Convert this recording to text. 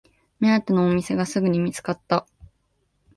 目当てのお店がすぐに見つかった